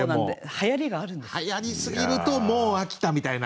はやり過ぎるともう飽きたみたいな。